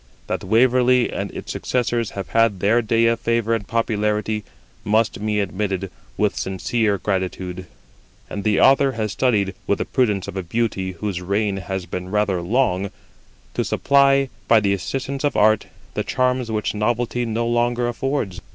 That Waverly and its successors have had their day of favour and popularity must be admitted with sincere gratitude; and the Author has studied (with the prudence of a beauty whose reign has been rather long) to supply, by the assistance of art, the charms which novelty no longer affords.